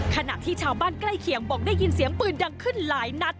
ขณะที่ชาวบ้านใกล้เคียงบอกได้ยินเสียงปืนดังขึ้นหลายนัด